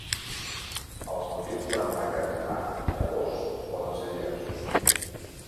Els motius per emmagatzemar llavors poden ser diversos.